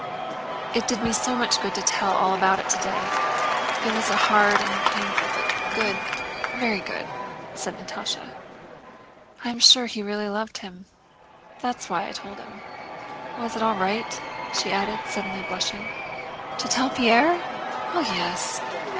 "It did me so much good to tell all about it today. It was hard and painful, but good, very good!" said Natásha. "I am sure he really loved him. That is why I told him... Was it all right?" she added, suddenly blushing. "To tell Pierre? Oh, yes.